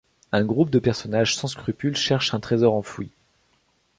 Un groupe de personnages sans scrupules cherche un trésor enfoui.